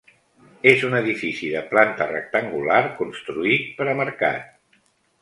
És un edifici de planta rectangular, construït per a mercat.